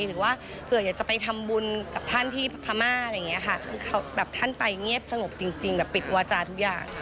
หรือว่าเผื่อจะไปทำบุญกับท่านที่พระม่าคือท่านไปเงียบสงบจริงปิดอวาจารย์ทุกอย่าง